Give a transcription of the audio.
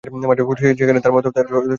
সেখানে তার মা ও তার সৎ বাবা থাকতেন।